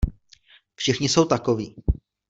Všichni jsou takoví.